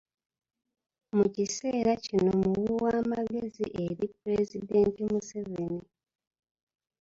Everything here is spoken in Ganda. Mu kiseera kino muwi wa magezi eri Pulezidenti Museveni